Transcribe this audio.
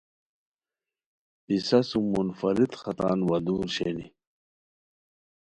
پِسہ سُم منفرد ختان وا دُور شینی